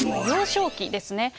幼少期ですね。